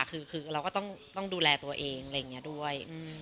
คือเราก็ต้องดูแลตัวเองอะไรอย่างนี้ด้วย